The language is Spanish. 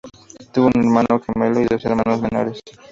Tuvo un hermano gemelo y dos hermanos menores.